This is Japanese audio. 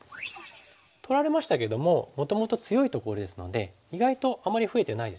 取られましたけどももともと強いところですので意外とあまり増えてないですよね。